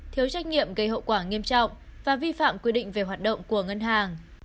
thiếu trách nhiệm gây hậu quả nghiêm trọng và vi phạm quy định về hoạt động của ngân hàng